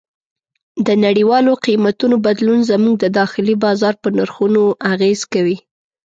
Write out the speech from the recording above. د نړیوالو قیمتونو بدلون زموږ د داخلي بازار په نرخونو اغېز کوي.